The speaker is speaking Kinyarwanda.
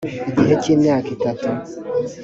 igihe cy’imyaka itatu